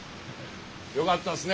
よかったっすね